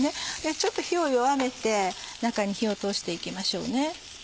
ちょっと火を弱めて中に火を通していきましょうね。